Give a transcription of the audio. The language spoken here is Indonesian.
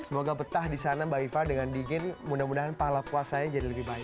semoga betah di sana mbak iva dengan dingin mudah mudahan pahala puasanya jadi lebih baik